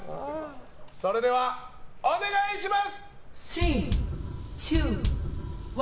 それでは、お願いします！